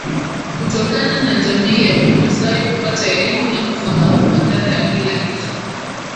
kutokana na jamii ya kimasai kupata elimu na kufahamu madhara ya mila hizo